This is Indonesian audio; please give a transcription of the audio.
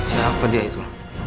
siapa dia itu